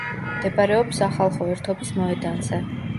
მდებარეობს სახალხო ერთობის მოედანზე.